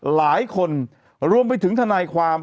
หลายคนรวมไปถึงทนายความ